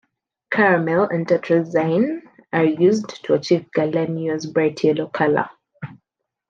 Caramel and tartrazine are used to achieve Galliano's bright yellow colour.